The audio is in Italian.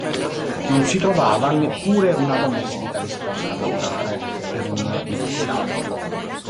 Non si trovava neppure una domestica disposta a lavorare per un divorziato.